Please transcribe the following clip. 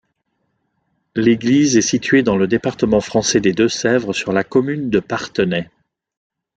L'église est située dans le département français des Deux-Sèvres, sur la commune de Parthenay.